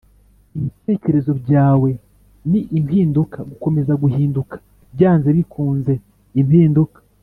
“ibitekerezo byawe ni impinduka, gukomeza guhinduka, byanze bikunze impinduka”